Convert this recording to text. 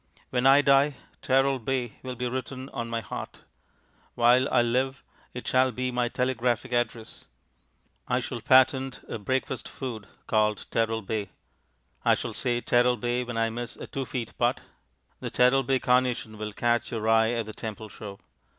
When I die "Teralbay" will be written on my heart. While I live it shall be my telegraphic address. I shall patent a breakfast food called "Teralbay"; I shall say "Teralbay!" when I miss a 2 ft. putt; the Teralbay carnation will catch your eye at the Temple show.